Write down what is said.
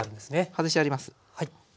外してあります。